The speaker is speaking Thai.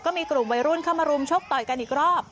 มีกลุ่มวัยรุ่นเข้ามารุมชกต่อยกันอีกรอบ